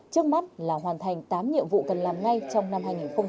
trước mắt là hoàn thành tám nhiệm vụ cần làm ngay trong năm hai nghìn hai mươi